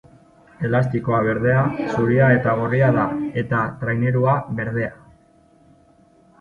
Elastikoa berdea, zuria eta gorria da, eta trainerua berdea.